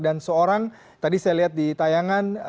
dan seorang tadi saya lihat di tayangan